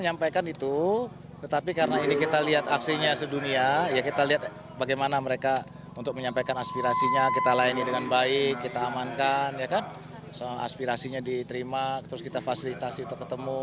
aspirasinya diterima terus kita fasilitasi untuk ketemu